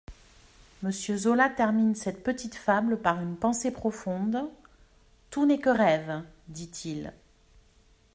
Monsieur Zola termine cette petite fable par une pensée profonde : «Tout n'est que rêve», dit-il.